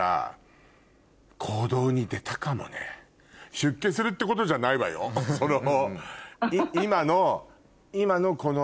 出家するってことじゃないわよ。っていうのを。